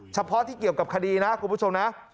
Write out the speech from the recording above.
เฉพาะที่เกี่ยวกับคดีนะคุณผู้ชมนะ